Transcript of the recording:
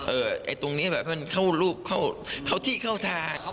เออตรงนี้เค้ารูปเค้าที่เค้าทาง